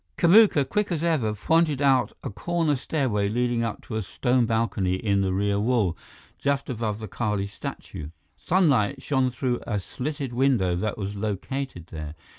Kamuka, quick as ever, pointed out a corner stairway leading up to a stone balcony in the rear wall, just above the Kali statue. Sunlight shone through a slitted window that was located there.